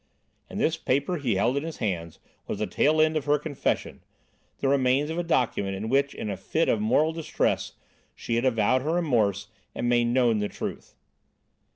And this paper he held in his hands was the tail end of her confession the remains of a document in which in a fit of moral distress she had avowed her remorse and made known the truth."